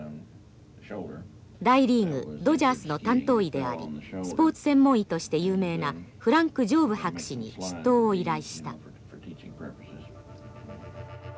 大リーグドジャースの担当医でありスポーツ専門医として有名なフランク・ジョーブ博士に執刀を依頼した。